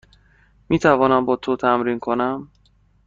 می توانم با تو تمرین کنم؟